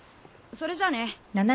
それじゃあね。